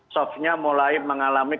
sofya mulai mengalami kematian